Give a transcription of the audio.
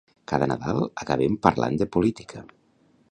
Cada Nadal acabem parlant de política.